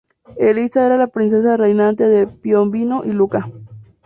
Elisa era la Princesa reinante de Piombino y Lucca.